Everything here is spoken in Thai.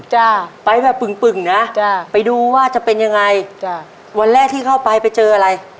จ้ะนะไปดูว่าจะเป็นอย่างไรวันแรกที่เข้าไปไปเจออะไร